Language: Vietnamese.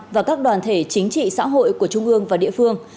và các đoàn thể chính trị xã hội của trung ương và địa phương